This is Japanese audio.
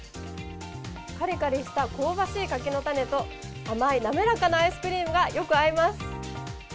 かりかりした香ばしい柿の種と、甘い滑らかなアイスクリームがよく合います。